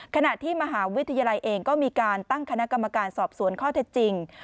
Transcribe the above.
ขณะที่มหาวิทยาลัยเองก็มีการตั้งคณะกรรมการสอบสวนข้อเท็จจริง